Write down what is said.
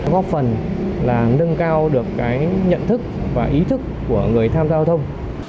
góp phần là nâng cao được cái nhận thức và ý thức của người tham gia giao thông